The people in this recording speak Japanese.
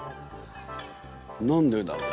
何でだろう？